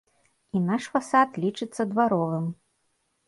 І наш фасад лічыцца дваровым.